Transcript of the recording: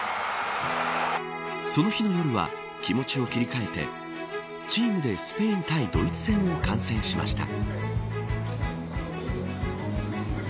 その日の夜は気持ちを切り替えてチームでスペイン対ドイツ戦を観戦しました。